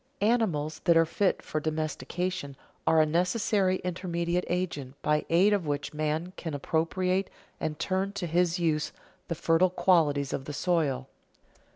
Animals that are fit for domestication are a necessary intermediate agent by aid of which man can appropriate and turn to his use the fertile qualities of the soil.